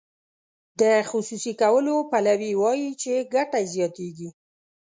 د خصوصي کولو پلوي وایي چې ګټه یې زیاتیږي.